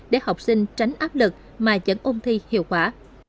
để học sinh tránh áp lực mà vẫn ôn thi hiệu quả